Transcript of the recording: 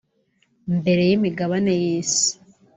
mbere y’imigabane y’Isi